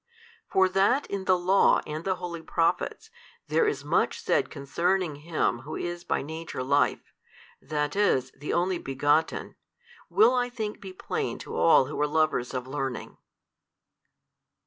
For that in the Law and the holy Prophets there is much said concerning Him Who is by Nature Life, that is the Only Begotten, will I think be plain to all who are lovers of learning.